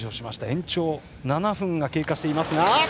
延長７分が経過していますが。